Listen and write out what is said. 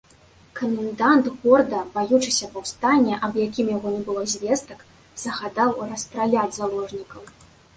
Камендант горада, баючыся паўстання, аб якім у яго не было звестак, загадаў расстраляць заложнікаў.